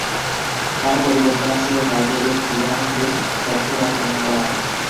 তাঁর পরিকল্পনা ছিল ভারতীয়দের ঘিরে না ফেলে সরাসরি আক্রমণ করা।